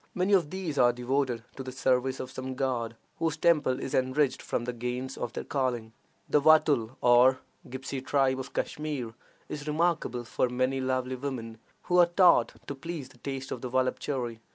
Many of these are devoted to the service of some god, whose temple is enriched from the gains of their calling. The Watul, or Gipsy tribe of Kashmir is remarkable for many lovely women, who are taught to please the taste of the voluptuary.